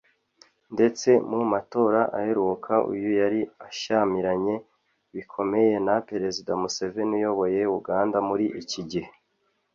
ndetse mu matora aheruka uyu yari ashyamiranye bikomeye na Perezida Museveni uyoboye Uganda muri iki gihe